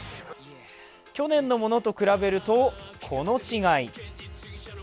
去年のものと比べると、この違い。